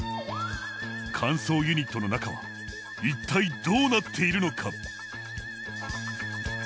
乾燥ユニットの中は一体どうなっているのか？